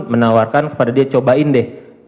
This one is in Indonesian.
menawarkan kepada dia cobain deh